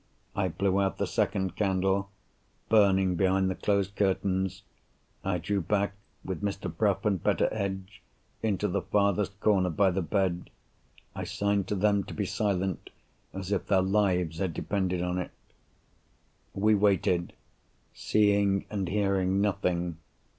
I blew out the second candle, burning behind the closed curtains. I drew back, with Mr. Bruff and Betteredge, into the farthest corner by the bed. I signed to them to be silent, as if their lives had depended on it. We waited—seeing and hearing nothing.